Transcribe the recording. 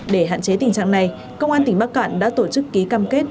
để hạn chế tình trạng này công an tỉnh bắc cạn đã tổ chức ký cam kết